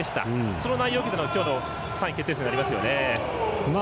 その内容を受けての今日の３位決定戦となりますよね。